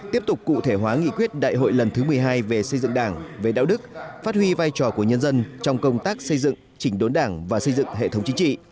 tiếp tục cụ thể hóa nghị quyết đại hội lần thứ một mươi hai về xây dựng đảng về đạo đức phát huy vai trò của nhân dân trong công tác xây dựng chỉnh đốn đảng và xây dựng hệ thống chính trị